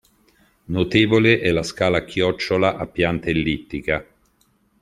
Notevole è la scala a chiocciola a pianta ellittica.